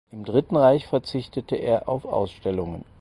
Im Dritten Reich verzichtete er auf Ausstellungen.